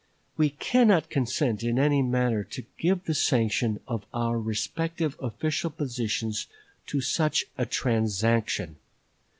We cannot consent in any manner to give the sanction of our respective official positions to such a transaction.